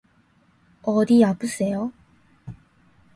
어디 아프세요?